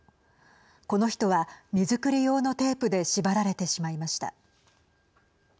この人は、荷造り用のテープで縛られてしまいました。